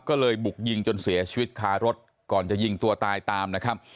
ก็เลยบุกยิงจนเสียชีวิตคารถก่อนจะยิงตัวตายตามนะครับ